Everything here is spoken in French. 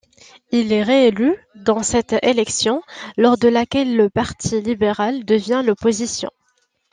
Il est réélu dans cette élection, lors de laquelle le parti libéral devient l'opposition.